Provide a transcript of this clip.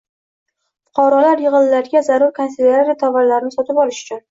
fuqarolar yig‘inlariga zarur kanselyariya tovarlarini sotib olish uchun